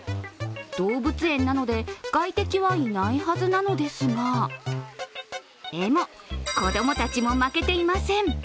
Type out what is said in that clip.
動物園なので、外敵はいないはずなのですがでも、子供たちも負けていません。